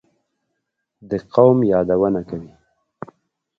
دې قوم یادونه کوي.